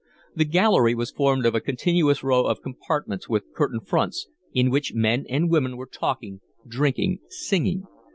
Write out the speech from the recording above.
The gallery was formed of a continuous row of compartments with curtained fronts, in which men and women were talking, drinking, singing.